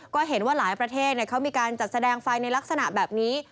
ก็เห็นว่าหลายประเทศเขามีการจัดแสดงไฟในลักษณะแบบนี้